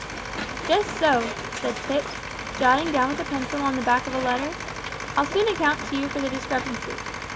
"Just so," said Tipps, jotting down with a pencil on the back of a letter. "I'll soon account to you for the discrepancy.